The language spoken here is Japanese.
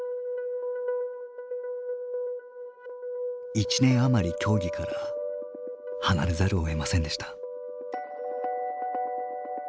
１年余り競技から離れざるをえませんでした。